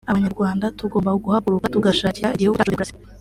Abanyarwanda tugomba guhaguruka tugashakira igihugu cyacu demokarasi